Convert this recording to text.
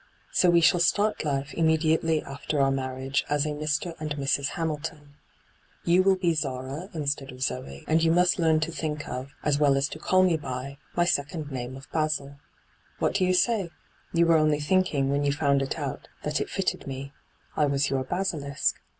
' So we shall start hfe immediately after our marriage as a Mr. and Mrs. Hamilton. You will be Zara instead of Zoe, and you must learn to think of, aa well hyGoo^lc ii6 ENTRAPPED as to call me by, my Becond name of Basil What do you say ? You were only thinking, when you found it out, that it fitted me — I was your basilisk.